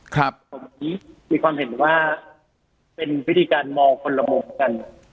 ผมมีความเห็นว่าเป็นวิธีการมองคนละมุมกัน